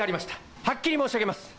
はっきり申し上げます。